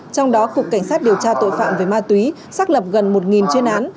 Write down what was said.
trong đó cục cảnh sát điều tra tội phạm về ma túy xác lập gần một chuyên án